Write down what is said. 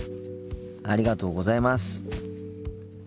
ありがとうございます。